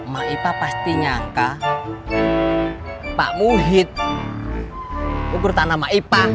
maipah pasti nyangka pak muhid ugur tanah maipah